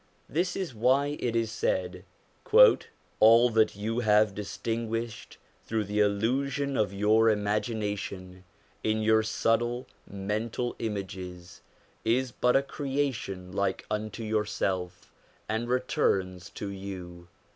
This is why it is said :' All that you have distinguished through the illusion of your imagination in your subtle mental images, is but a creation like unto yourself, and returns to you.'